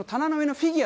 フィギュア？